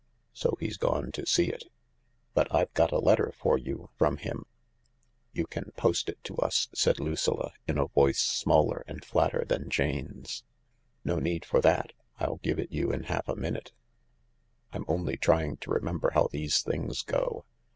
So he's gone to see it. But I've got a letter for you from him/' " You can post it to us," said Lucilla, in a voice smaller and flatter than Jane's. "No need for that— I'll give it you in half a minute, I'm only trying to remember how these things go.